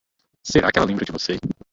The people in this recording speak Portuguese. Será que ela lembra de você?